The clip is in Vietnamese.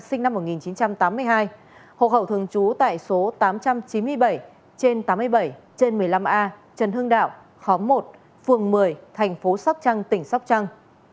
sinh năm một nghìn chín trăm tám mươi hai hộ khẩu thường trú tại số tám trăm chín mươi bảy trên tám mươi bảy trên một mươi năm a trần hưng đạo khóm một phường một mươi thành phố sóc trăng tỉnh sóc trăng